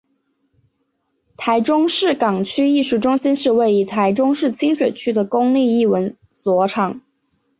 台中市港区艺术中心是位于台中市清水区的公立艺文场所。